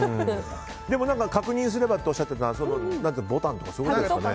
でも確認すればとおっしゃっていたのでボタンとかそういうことですかね。